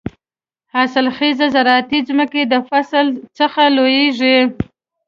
حاصل خېزه زراعتي ځمکې د فصل څخه لوېږي.